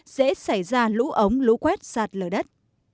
dễ xảy ra lũ ống lũ quét sạt lở đất